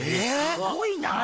すごいな。